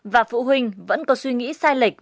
và phụ huynh vẫn có suy nghĩ sai lệch